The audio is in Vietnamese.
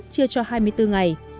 chưa cho hai mươi bốn ngày